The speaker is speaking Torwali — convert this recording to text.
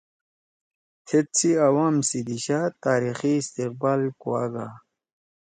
تھید سی عوام سی دیِشا تاریخی استقبال کُواگا